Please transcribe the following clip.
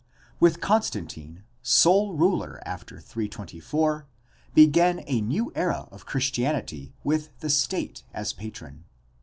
— With Constantine, sole ruler after 324, began the new era of Christianity with the state as patron.